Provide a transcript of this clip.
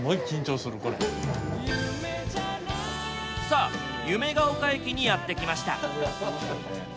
さあゆめが丘駅にやって来ました。